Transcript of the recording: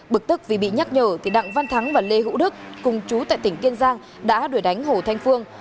bực tức vì bị nhắc nhở thì đặng văn thắng và lê hữu đức cùng chú tại tỉnh kiên giang đã đuổi đánh hồ thanh phương